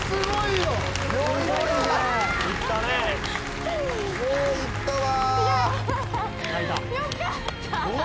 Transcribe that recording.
よういったわ。